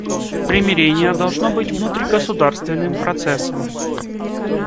Примирение должно быть внутригосударственным процессом.